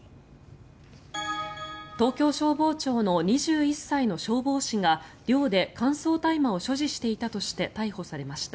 東京消防庁の２１歳の消防士が寮で乾燥大麻を所持していたとして逮捕されました。